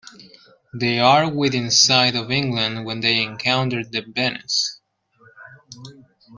They are within sight of England when they encounter the "Venus".